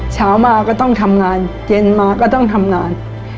เช้ามาก็ต้องทำงานเย็นมาก็ต้องทำงาน